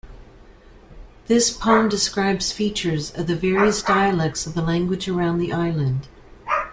This poem describes features of the various dialects of the language around the Island.